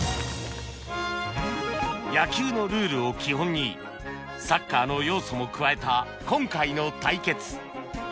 野球のルールを基本にサッカーの要素も加えた今回の対決